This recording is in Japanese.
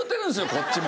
こっちも。